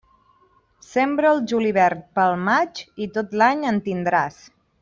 Sembra el julivert pel maig i tot l'any en tindràs.